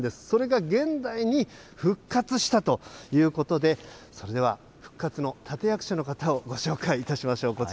それが現代に復活したということで、それでは、復活の立て役者の方をご紹介いたしましょう。